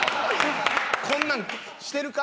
こんなんしてるか？